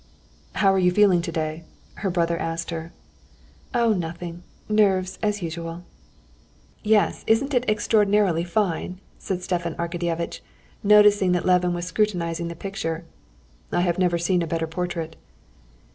"How are you feeling today?" her brother asked her. "Oh, nothing. Nerves, as usual." "Yes, isn't it extraordinarily fine?" said Stepan Arkadyevitch, noticing that Levin was scrutinizing the picture. "I have never seen a better portrait."